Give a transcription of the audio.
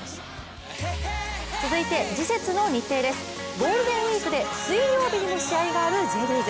ゴールデンウイークで水曜日にも試合があるＪリーグ。